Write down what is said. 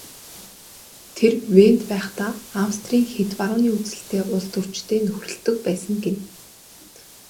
Тэр Венад байхдаа Австрийн хэт барууны үзэлтэй улстөрчтэй нөхөрлөдөг байсан гэнэ.